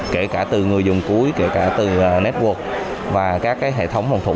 kể cả từ người dùng cuối kể cả từ network và các hệ thống hồng thủ